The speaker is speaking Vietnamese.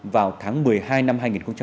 vào tháng một mươi hai năm hai nghìn một mươi bảy